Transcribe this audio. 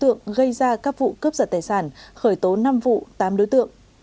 trong đó công an đã điều tra các vụ cướp giật tài sản khởi tố năm vụ tám đối tượng